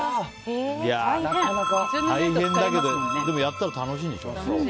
大変だけど、でもやったら楽しいんでしょ。